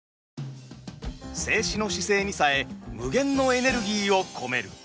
静止の姿勢にさえ無限のエネルギーを込める。